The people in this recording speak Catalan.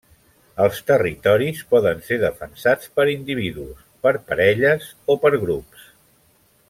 Els territoris poden ser defensats per individus, per parelles o per grups.